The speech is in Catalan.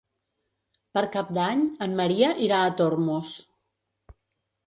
Per Cap d'Any en Maria irà a Tormos.